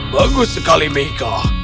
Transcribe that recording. bagus sekali mika